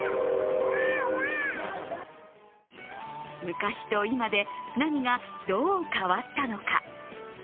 昔と今で何がどう変わったのか。